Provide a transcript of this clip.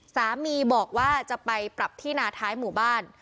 สามีบอกว่าจะไปปรับที่นาท้ายหมู่บ้าน